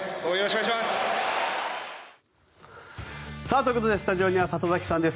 ということでスタジオには里崎さんです。